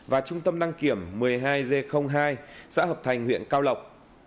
và trung tâm đăng kiểm một mươi hai g hai xã hợp thành huyện cao lộc